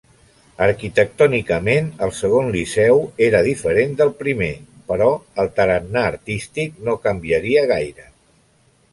Arquitectònicament el segon Liceu era diferent del primer, però el tarannà artístic no canviaria gaire.